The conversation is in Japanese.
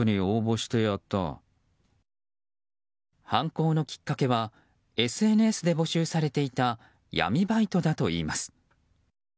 犯行のきっかけはＳＮＳで募集されていた闇バイトだといいます。